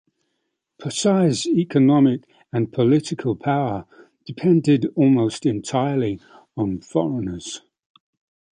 Pasai's economic and political power depended almost entirely on foreigners.